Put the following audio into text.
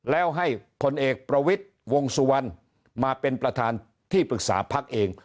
แล้วให้ผลเอกประวิทย์วงสุวรรณมาเป็นประธานที่ปรึกษาพักเอง